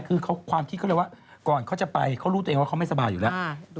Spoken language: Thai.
คือความคิดเขาเลยว่าก่อนเขาจะไปเขารู้ตัวเองว่าเขาไม่สบายอยู่แล้ว